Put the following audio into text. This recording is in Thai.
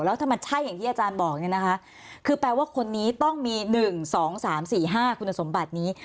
แล้วถ้ามันใช่อย่างที่อาจารย์บอกเนี่ยนะคะคือแปลว่าคนนี้ต้องมี๑๒๓๔๕คุณสมบัตินี้